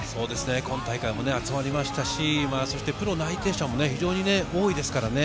今大会も集まりましたし、プロ内定者も非常に多いですからね。